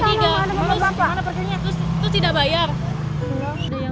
terus tidak bayar